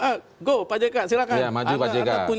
ah go pak jk silakan